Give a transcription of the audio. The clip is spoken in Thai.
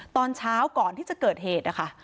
ตอนเช้าก่อนที่จะเกิดเหตุนะคะ